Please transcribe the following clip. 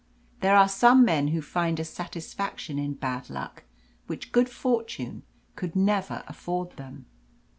There are some men who find a satisfaction in bad luck which good fortune could never afford them.